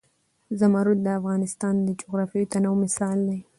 زمرد د افغانستان د جغرافیوي تنوع مثال دی.